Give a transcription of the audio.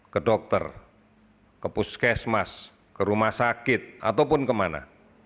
ke dokter ke puskesmas ke rumah sakit ataupun kemana